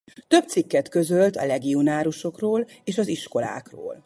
Több cikket közölt a legionáriusokról és az iskolákról.